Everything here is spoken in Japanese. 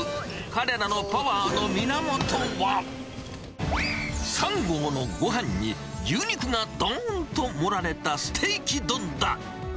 彼らのパワーの源は、３合のごはんに、牛肉がどんと盛られたステーキ丼だ。